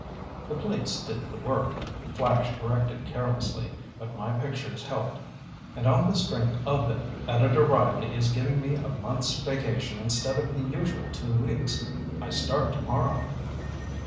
"The police did the work," Flash corrected carelessly, "but my pictures helped. And on the strength of them, Editor Riley is giving me a month's vacation instead of the usual two weeks. I start tomorrow."